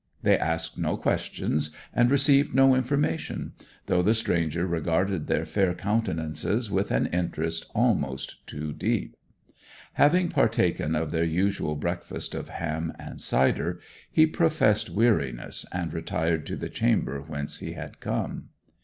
They asked no questions and received no information; though the stranger regarded their fair countenances with an interest almost too deep. Having partaken of their usual breakfast of ham and cider he professed weariness and retired to the chamber whence he had come.